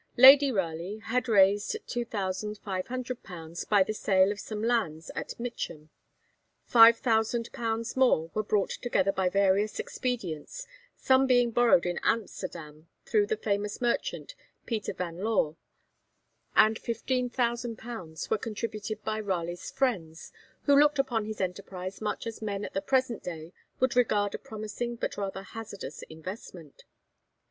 Lady Raleigh had raised 2,500_l._ by the sale of some lands at Mitcham. 5000_l._ more were brought together by various expedients, some being borrowed in Amsterdam through the famous merchant, Pieter Vanlore,' and 15,000_l._ were contributed by Raleigh's friends, who looked upon his enterprise much as men at the present day would regard a promising but rather hazardous investment.